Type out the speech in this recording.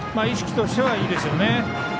意識としてはいいですよね。